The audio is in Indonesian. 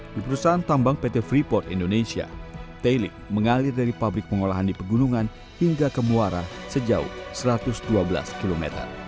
di perusahaan tambang pt freeport indonesia tailing mengalir dari pabrik pengolahan di pegunungan hingga ke muara sejauh satu ratus dua belas km